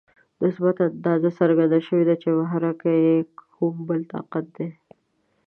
نسبتاً تازه څرګنده شوه چې محرک یې کوم بل طاقت دی.